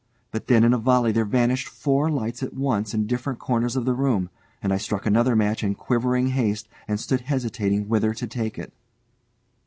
But then in a volley there vanished four lights at once in different corners of the room, and I struck another match in quivering haste, and stood hesitating whither to take it.